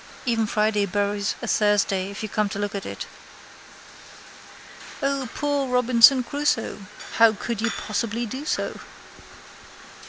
Every Friday buries a Thursday if you come to look at it. O, poor Robinson Crusoe! How could you possibly do so?